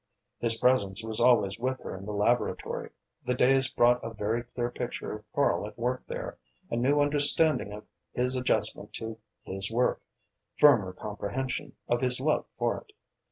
His presence was always with her in the laboratory. The days brought a very clear picture of Karl at work there, a new understanding of his adjustment to his work, firmer comprehension of his love for it.